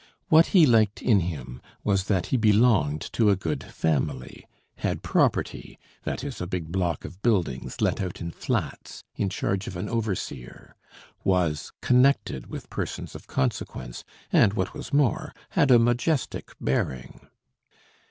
What he liked in him was that he belonged to a good family, had property that is, a big block of buildings, let out in flats, in charge of an overseer was connected with persons of consequence, and what was more, had a majestic bearing.